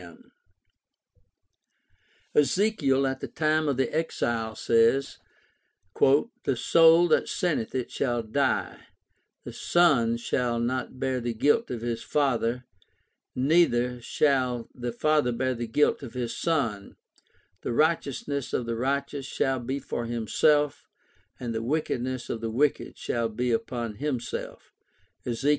OLD TESTAMENT AND RELIGION OF ISRAEL 137 Ezekiel at the time of the Exile says, "The soul that sinneth, it shall die: the son shall not bear the guilt of his father, neither shall the father bear the guilt of his son; the righteous ness of the righteous shall be for himself, and the wickedness of the wicked shall be upon himself" (Ezek.